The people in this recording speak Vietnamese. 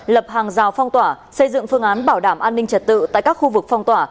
lập hàng rào phong tỏa xây dựng phương án bảo đảm an ninh trật tự tại các khu vực phong tỏa